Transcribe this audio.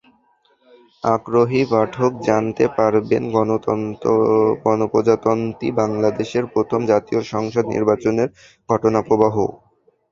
আগ্রহী পাঠক জানতে পারবেন গণপ্রজাতন্ত্রী বাংলাদেশের প্রথম জাতীয় সংসদ নির্বাচনের ঘটনাপ্রবাহও।